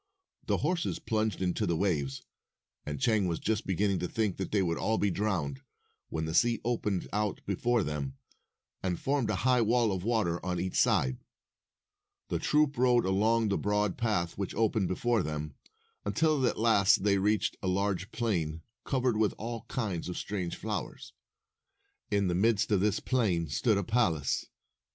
248 The horses plunged into the waves, and Chang was just beginning to think that they would all be drowned, when the sea opened out before them, and formed a high wall of water on each side. The troop rode along the broad path which opened before them, until at last they reached a large plain covered with all kinds of strange flowers. In the midst of this plain stood a palace.